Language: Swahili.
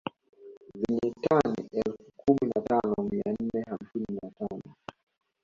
Zenye tani elfu kumi na tano mia nne hamsini na tano